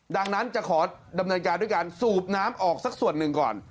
ดังนั้นจะขอดำเนินการด้วยการสูบน้ำออกสักส่วนหนึ่งก่อน